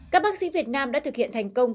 các bác sĩ việt nam đã thực hiện thành công